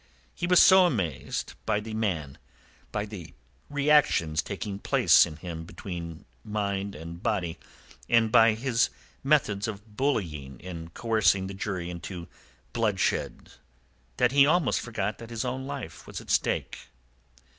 He was so amazed by the man, by the reactions taking place in him between mind and body, and by his methods of bullying and coercing the jury into bloodshed, that he almost forgot that his own life was at stake.